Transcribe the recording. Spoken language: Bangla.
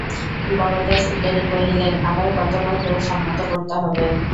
বরদাসুন্দরী কহিলেন, আবার কতবার করে সম্মত করতে হবে?